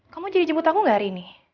kamu jadi jemput aku gak hari ini